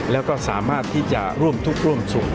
แล้วก็สามารถที่จะร่วมทุกข์ร่วมสุข